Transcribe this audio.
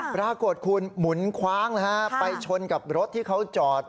ปรากฏคุณหมุนคว้างนะฮะไปชนกับรถที่เขาจอด